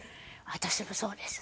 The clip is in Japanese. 私はそうです。